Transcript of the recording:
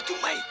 gì thế chú mày